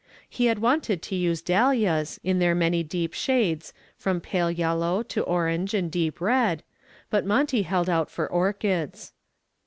He had wanted to use dahlias in their many rich shades from pale yellow to orange and deep red, but Monty held out for orchids.